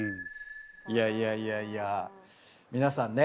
いやいやいやいや皆さんね